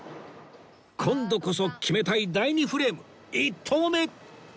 今度こそ決めたい第２フレーム１投目